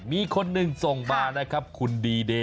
มีคนหนึ่งส่งมานะครับคุณดีเดย